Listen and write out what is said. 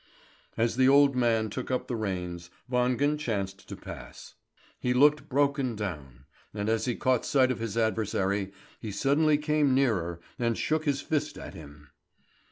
As the old man took up the reins, Wangen chanced to pass. He looked broken down; and as he caught sight of his adversary, he suddenly came nearer and shook his fist at him.